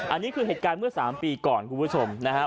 อันนี้คือเหตุการณ์เมื่อ๓ปีก่อนคุณผู้ชมนะครับ